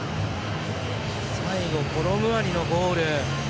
最後、コロムアニのゴール。